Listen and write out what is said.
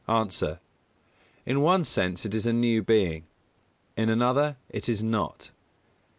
_ A. In one sense it is a new being; in another it is not.